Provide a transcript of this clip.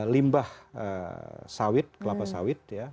limbah sawit kelapa sawit